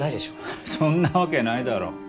ハッそんなわけないだろう？